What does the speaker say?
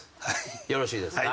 よろしいですか？